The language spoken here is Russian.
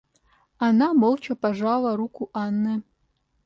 Она молча пожала руку Анны.